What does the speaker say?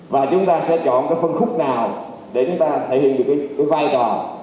và chúng ta sẽ chọn cái phân khúc nào để chúng ta thể hiện được cái vai trò